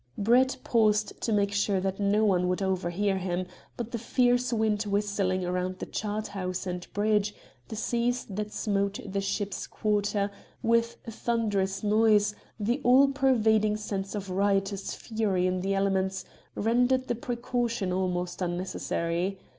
Brett paused to make sure that no one would overhear him, but the fierce wind whistling round the chart house and bridge, the seas that smote the ship's quarter with a thunderous noise, the all pervading sense of riotous fury in the elements, rendered the precaution almost unnecessary.